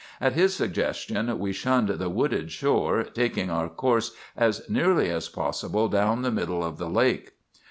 At his suggestion we shunned the wooded shores, taking our course as nearly as possible down the middle of the lake.